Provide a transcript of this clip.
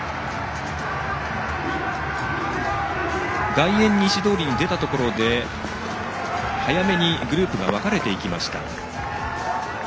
外苑西通りに出たところで早めにグループが分かれました。